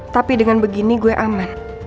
tapi dengan begini gue aman